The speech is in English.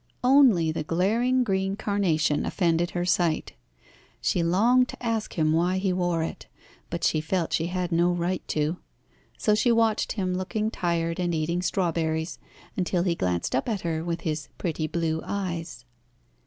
Only the glaring green carnation offended her sight. She longed to ask him why he wore it. But she felt she had no right to. So she watched him looking tired and eating strawberries, until he glanced up at her with his pretty blue eyes.